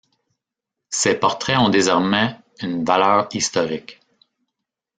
Ces portraits ont désormais une valeur historique.